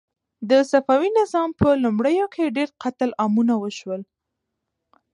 د صفوي نظام په لومړیو کې ډېر قتل عامونه وشول.